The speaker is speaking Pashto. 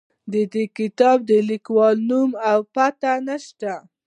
د دې کتاب د لیکوال نوم او پته نه شته.